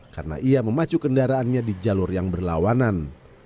karena ia memacu kendaraannya di jalur yang berlawanan